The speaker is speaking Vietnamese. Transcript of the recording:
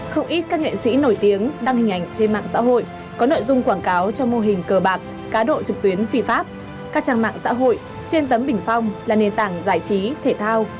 không ít các nghệ sĩ nổi tiếng đăng hình ảnh trên mạng xã hội có nội dung quảng cáo cho mô hình cờ bạc cá độ trực tuyến phi pháp các trang mạng xã hội trên tấm bình phong là nền tảng giải trí thể thao